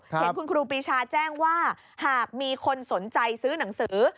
เห็นคุณครูปีชาแจ้งว่าหากมีคนสนใจซื้อหนังสือ